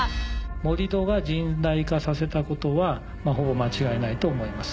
盛り土が甚大化させたことはほぼ間違いないと思います。